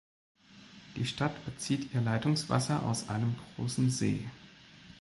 Die Stadt bezieht ihr Leitungswasser aus einem großen See.